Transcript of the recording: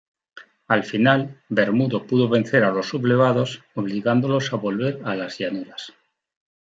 Al final, Bermudo pudo vencer a los sublevados obligándolos a volver a las llanuras.